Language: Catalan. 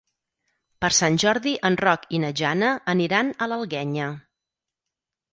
Per Sant Jordi en Roc i na Jana aniran a l'Alguenya.